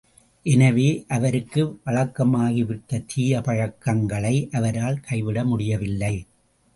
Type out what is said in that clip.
எனவே, அவருக்கு வழக்கமாகிவிட்ட தீய பழக்கங்களை அவரால் கைவிட முடியவில்லை.